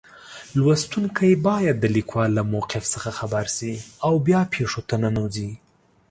لوستونکی باید د لیکوال له موقف څخه خبر شي او بیا پېښو ته ننوځي.